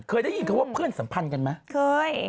เคยได้ยินคำว่าเพื่อนสัมพันธ์กันไหมเคย